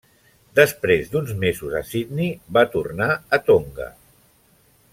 Després d'uns mesos a Sydney va tornar a Tonga.